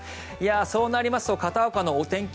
そうなりますと片岡のお天気